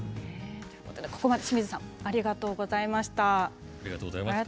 ここまで、清水さんありがとうございました。